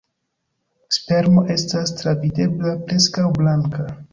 Spermo estas travidebla, preskaŭ blanka.